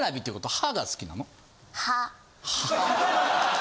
歯。